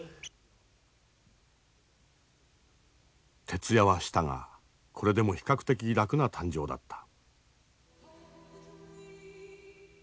徹夜はしたがこれでも比較的楽な誕生だった。